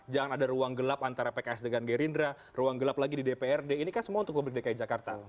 jangan ada ruang gelap antara pks dengan gerindra ruang gelap lagi di dprd ini kan semua untuk publik dki jakarta